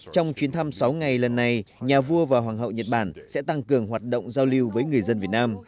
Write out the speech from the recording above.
trong chuyến thăm sáu ngày lần này nhà vua và hoàng hậu nhật bản sẽ tăng cường hoạt động giao lưu với người dân việt nam